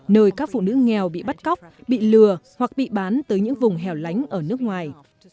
nơi các phụ nữ nghèo bị bắt cóc bị lừa hoặc bị bán tới những vùng hẻo lánh ở nước ngoài